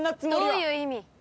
どういう意味？